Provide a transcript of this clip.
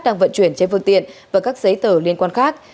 đang vận chuyển trên phương tiện và các giấy tờ liên quan khác